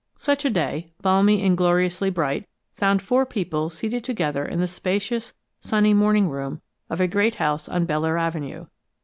Such a day, balmy and gloriously bright, found four people seated together in the spacious, sunny morning room of a great house on Belleair Avenue.